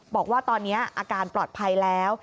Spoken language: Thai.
บอกว่าตอนนี้อาการปลอดภัยแล้ว